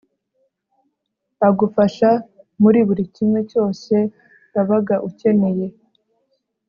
agufasha muri buri kimwe cyose wabaga ukeneye